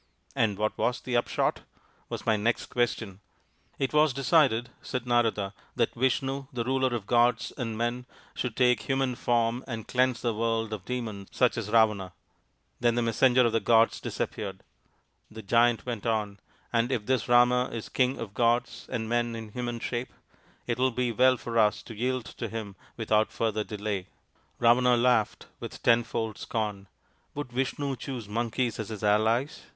"' And what was the upshot ?' was my next .question. 48 THE INDIAN STORY BOOK "* It was decided/ said Narada, c that Vishnu, the ruler of gods and men, should take human form and cleanse the world of Demons such as Ravana. 5 Then the Messenger of the Gods disappeared," the Giant went on. " And if this Rama is king of gods and men in human shape, it will be well for us to yield to him without further delay." Ravana laughed with tenfold scorn. " Would Vishnu choose Monkeys as his allies